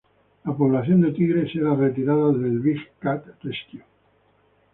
La población de tigres era retirada del Big Cat Rescue.